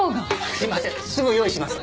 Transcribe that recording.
すいませんすぐ用意します。